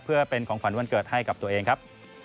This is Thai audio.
เพื่อเป็นของขวัญวันเกิดให้กับตัวเองครับ